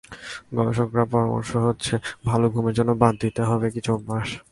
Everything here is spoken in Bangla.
গবেষকদের পরামর্শ হচ্ছে, ভালো ঘুমের জন্য বাদ দিতে হবে কিছু অভ্যাস।